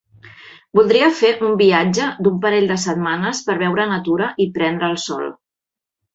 Voldria fer un viatge d'un parell de setmanes, per veure natura i prendre el sol.